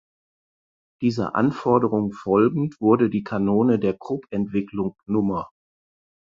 Dieser Anforderung folgend wurde die Kanone der Krupp Entwicklung Nr.